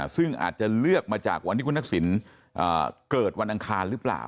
ซึ่งอาจจะเลือกมาจากวันที่คุณทักษิณเกิดวันอังคารหรือเปล่า